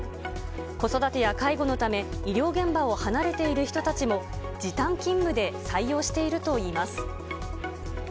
子育てや介護のため、医療現場を離れている人たちも、時短勤務で採用しているといいます。